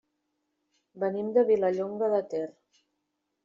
Venim de Vilallonga de Ter.